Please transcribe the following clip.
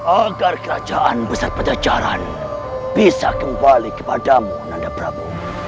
agar kerajaan besar pancacaran bisa kembali kepadamu nanda prabu